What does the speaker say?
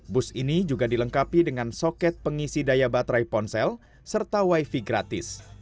bus ini juga dilengkapi dengan soket pengisi daya baterai ponsel serta wifi gratis